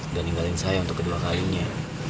udah ninggalin saya untuk kedua kalinya